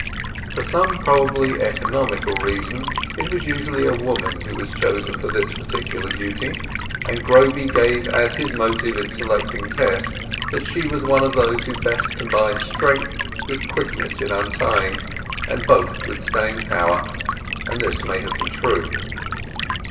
For some probably economical reason it was usually a woman who was chosen for this particular duty, and Groby gave as his motive in selecting Tess that she was one of those who best combined strength with quickness in untying, and both with staying power, and this may have been true.